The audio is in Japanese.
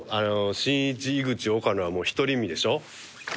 しんいち井口岡野は独り身でしょ。